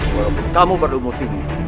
walaupun kamu berumur tinggi